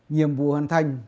nhiệm vụ hoàn thành